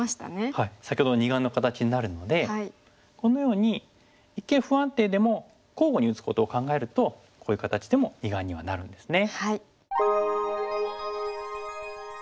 はい先ほどの二眼の形になるのでこのように一見不安定でも交互に打つことを考えるとこういう形でも二眼にはなるんですね。